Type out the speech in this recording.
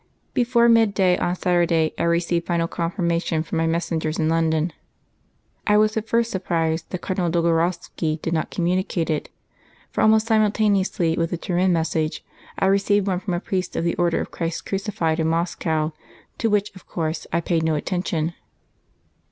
Before mid day on Saturday I received final confirmation from my messengers in London. "I was at first surprised that Cardinal Dolgorovski did not communicate it; for almost simultaneously with the Turin message I received one from a priest of the Order of Christ Crucified in Moscow, to which, of course, I paid no attention.